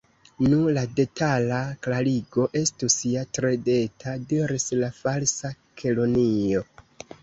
"Nu, la detala klarigo estus ja tre teda," diris la Falsa Kelonio.